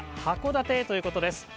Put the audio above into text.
函館へということです。